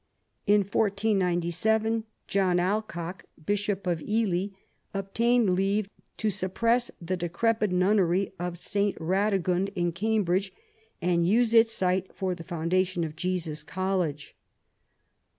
In 1497 John Alcock, Bishop of Ely, obtained leave to suppress the decrepit nunnery of St. Ehadegund in Cambridge and use its site for the foundation of Jesus College.